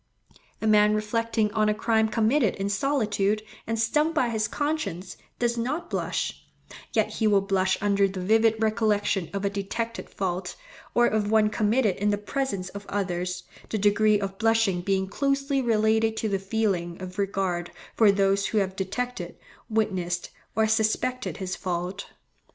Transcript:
A man reflecting on a crime committed in solitude, and stung by his conscience, does not blush; yet he will blush under the vivid recollection of a detected fault, or of one committed in the presence of others, the degree of blushing being closely related to the feeling of regard for those who have detected, witnessed, or suspected his fault.